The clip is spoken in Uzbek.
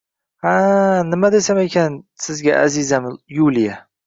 Ha-a-a… Nima desam ekan sizga, azizam Yuliya.